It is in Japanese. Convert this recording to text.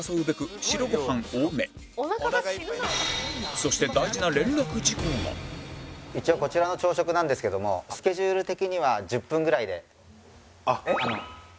そして一応こちらの朝食なんですけどもスケジュール的には１０分ぐらいで食べて頂く感じがいいかな。